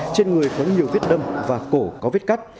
trên người có nhiều viết đâm và cổ có viết cắt